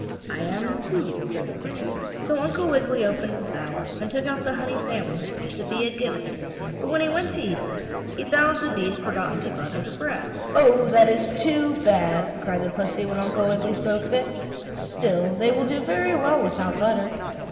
"I am, too," said the pussy. So Uncle Wiggily opened his valise and took out the honey sandwiches which the bee had given him, but when he went to eat them he found that the bee had forgotten to butter the bread. "Oh, that is too bad!" cried the pussy, when Uncle Wiggily spoke of it. "Still they will do very well without butter."